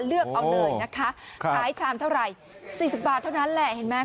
เลือกเอาเลยนะคะขายชามเท่าไหร่๔๐บาทเท่านั้นแหละเห็นไหม